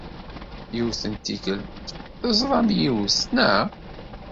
Yiwet n tikkelt, teẓram yiwet, naɣ?